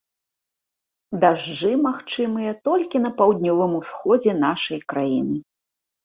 Дажджы магчымыя толькі на паўднёвым усходзе нашай краіны.